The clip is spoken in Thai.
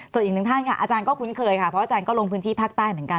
ส่วนอีกหนึ่งท่านค่ะอาจารย์ก็คุ้นเคยค่ะเพราะอาจารย์ก็ลงพื้นที่ภาคใต้เหมือนกัน